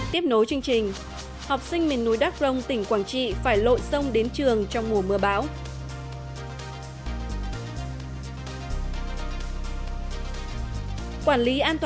tiếp nối chương trình